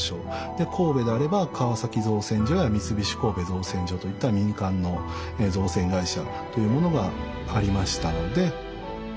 で神戸であれば川崎造船所や三菱神戸造船所といった民間の造船会社というものがありましたので。